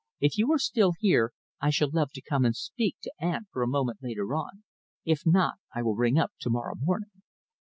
If you are still here, I shall love to come and speak to aunt for a moment later on. If not, I will ring up to morrow morning."